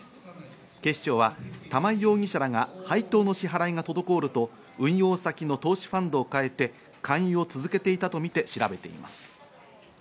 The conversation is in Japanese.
警視庁は玉井容疑者らが配当の支払いが滞ると運用先の投資ファンドを変えて勧誘を続けていたとみて調べています。